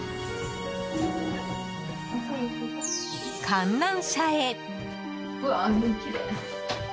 観覧車へ。